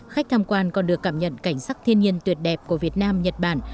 khách tham quan còn được cảm nhận cảnh sắc thiên nhiên tuyệt đẹp của việt nam nhật bản